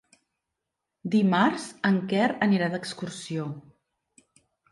Dimarts en Quer anirà d'excursió.